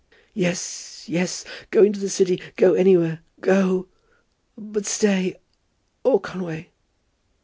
"Yes; yes; go into the City! Go anywhere. Go. But stay! Oh, Conway!"